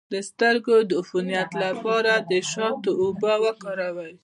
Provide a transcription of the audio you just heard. د سترګو د عفونت لپاره د شاتو اوبه وکاروئ